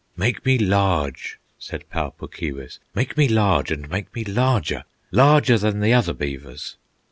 "Make me large," said Pau Puk Keewis, "Make me large and make me larger, Larger than the other beavers."